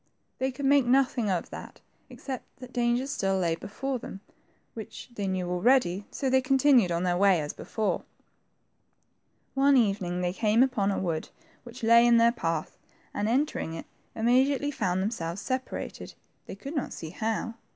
They could make nothing of that except that dangers still lay before them, which they knew already, so they continued on their way as before. One evening they came upon a wOod which lay in their path, and, entering it, immediately found them selves separated, they could not see how.